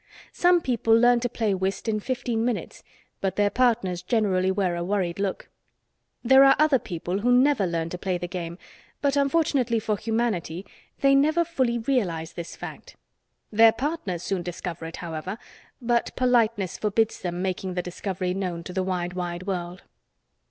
Some people learn to play whist in fifteen minutes, but their partners generally wear a worried look. There are other people who never learn to play the game, but, unfortunately for humanity, they never fully realize this fact. Their partners soon discover it, however, but politeness forbids them making the discovery known to the wide, wide world.